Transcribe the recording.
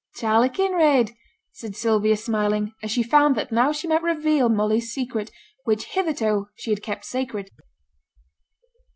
'Charley Kinraid,' said Sylvia smiling, as she found that now she might reveal Molly's secret, which hitherto she had kept sacred.